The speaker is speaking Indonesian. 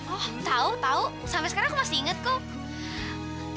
oh tahu tahu sampai sekarang aku masih ingat kok